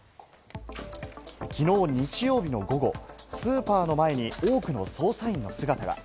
昨日、日曜日の午後、スーパーの前に多くの捜査員の姿が。